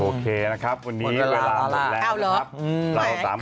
โอเคนะครับวันนี้เวลาหมดแล้วครับ